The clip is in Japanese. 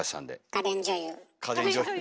家電女優！